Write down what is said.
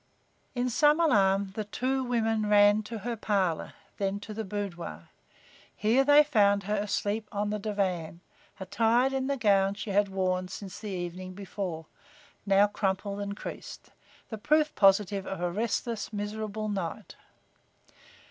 In some alarm the two women ran to her parlor, then to the boudoir. Here they found her asleep on the divan, attired in the gown she had worn since the evening before, now crumpled and creased, the proof positive of a restless, miserable night.